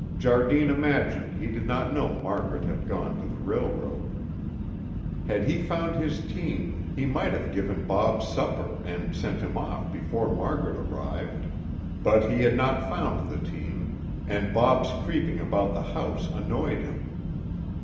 Jardine imagined he did not know Margaret had gone to the railroad. Had he found his team, he might have given Bob supper and sent him off before Margaret arrived, but he had not found the team and Bob's creeping about the house annoyed him.